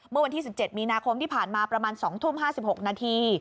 เมื่อวันที่๑๗มีนาคมที่ผ่านมาประมาณ๒ทุ่ม๕๖นาที